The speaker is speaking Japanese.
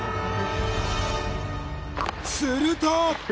すると！